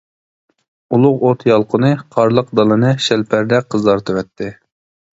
ئۇلۇغ ئوت يالقۇنى قارلىق دالىنى شەلپەردەك قىزارتىۋەتتى.